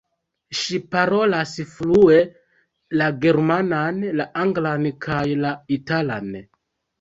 Ŝi parolas flue la germanan, la anglan kaj la italan.